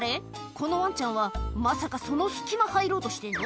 このワンちゃんはまさかその隙間入ろうとしてんの？